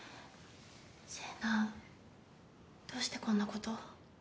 星名どうしてこんなこと？